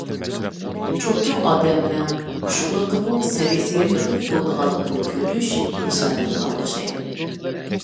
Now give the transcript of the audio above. چوپچوڭ ئادەمنىڭ ئۇششۇقلۇقىمۇ سەۋىيسىگە بېقىپ بولىدىغانلىقىنى كۆرۈش پىشانىدە بار ئوخشايدۇ.